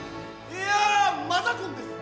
いやあマザコンです。